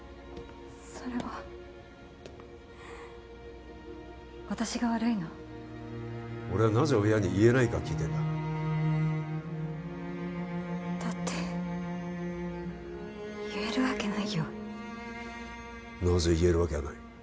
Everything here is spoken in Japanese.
それは私が悪いの俺はなぜ親に言えないか聞いてんだだって言えるわけないよなぜ言えるわけがない？